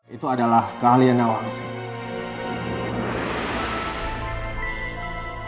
itu adalah keahlian awal kesini